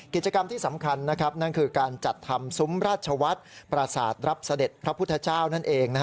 กิจกรรมที่สำคัญนั่นคือการจัดทำซุ้มราชวัฒน์ประสาทรับเสด็จพระพุทธเจ้านั่นเอง